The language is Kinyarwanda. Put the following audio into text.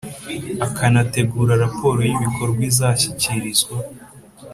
akanategura raporo y ibikorwa izashyikirizwa